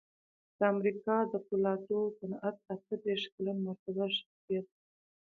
د امریکا د پولادو صنعت اته دېرش کلن معتبر شخصیت و